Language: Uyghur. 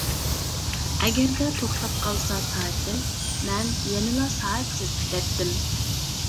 ئەگەردە توختاپ قالسا سائىتىم، مەن يەنىلا سائەتسىز كۈتەتتىم.